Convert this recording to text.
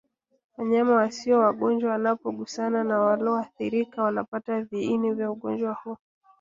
Wanyama wasio wagonjwa wanapogusana na walioathirika wanapata viini vya ugonjwa huu